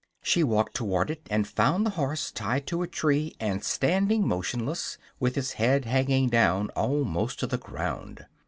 She walked toward it and found the horse tied to a tree and standing motionless, with its head hanging down almost to the ground.